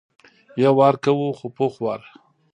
یو وار کوو خو پوخ وار.